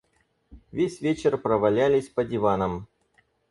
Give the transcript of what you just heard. Весь вечер провалялись по диванам.